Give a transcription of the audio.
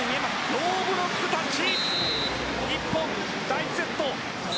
ノーブロックタッチ。